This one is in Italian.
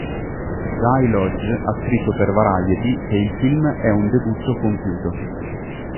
Guy Lodge ha scritto per "Variety" che il film è un "debutto compiuto".